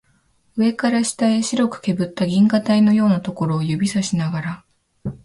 上から下へ白くけぶった銀河帯のようなところを指さしながら